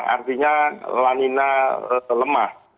artinya lanina lemah